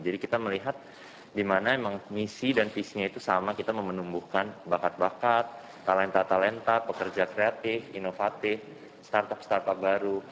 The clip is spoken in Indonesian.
jadi kita melihat di mana memang misi dan visinya itu sama kita memenumbuhkan bakat bakat talenta talenta pekerja kreatif inovatif startup startup baru